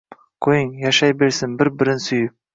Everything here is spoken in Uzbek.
qo’ying, yashaybersin bir-birin suyib!